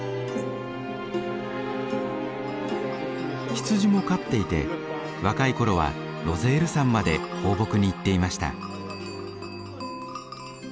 羊も飼っていて若い頃はロゼール山まで放牧に行っていました。